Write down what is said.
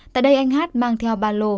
tại đây anh h mang theo ba lô